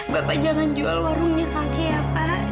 bapak jangan jual warungnya kakek ya pak